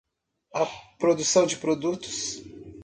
A produção de produtos.